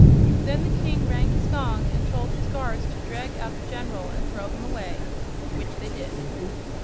Then the King rang his gong and told his guards to drag out the General and throw him away; which they did.